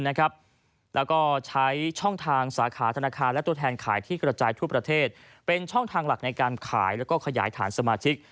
แล้วก็ใช้ช่องทางสาขาธนาคารและตัวแทนขายที่กระจายทั่วประเทศเป็นช่องทางหลักในการขายแล้วก็ขยายฐานสมาชิก